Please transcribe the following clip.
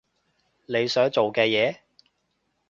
你想做嘅嘢？